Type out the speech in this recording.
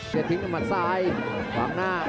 ทิ้งด้วยมัดซ้ายขวางหน้า